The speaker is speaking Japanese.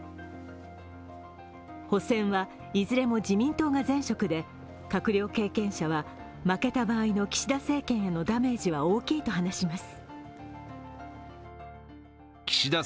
補選はいずれも自民党が前職で閣僚経験者は負けた場合の岸田政権へのダメージは大きいと話します。